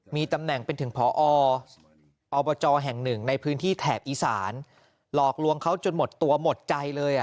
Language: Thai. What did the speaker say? มีตำแหน่งเป็นถึงพออบจแห่งหนึ่งในพื้นที่แถบอีสานหลอกลวงเขาจนหมดตัวหมดใจเลย